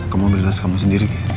kamu ambil tas kamu sendiri